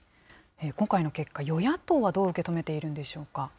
今回の結果、与野党はどう受け止めているんでしょうか。